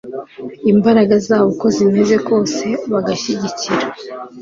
imbaraga zabo uko zimeze kose bagashyigikira